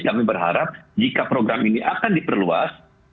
kami berharap jika program ini akan diperluas